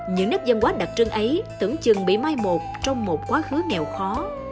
những nếp dân quá đặc trưng ấy tưởng chừng bị mai một trong một quá khứ nghèo khó